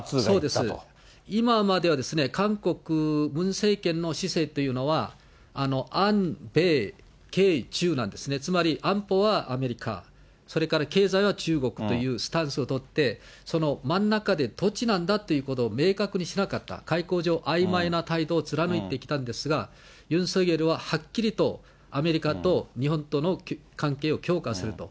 今までは韓国、ムン政権の姿勢というのは、安米経中なんですね、つまり、安保はアメリカ、それから経済は中国というスタンスを取って、その真ん中でどっちなんだっていうことを明確にしなかった、外交上、あいまいな態度を貫いてきたんですが、ユン・ソンニョルははっきりとアメリカと日本との関係を強化すると。